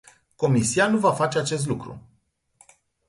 Comisia nu va face acest lucru.